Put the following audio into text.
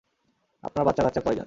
আপনার বাচ্চাকাচ্চা কয়জন?